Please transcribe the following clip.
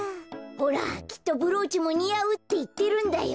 ほらきっとブローチもにあうっていってるんだよ。